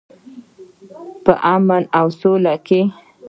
په امن او سوله کې.